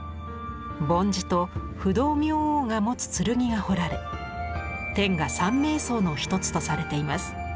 梵字と不動明王が持つ剣が彫られ天下三名槍の一つとされています。